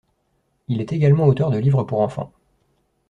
Il est également auteur de livres pour enfants.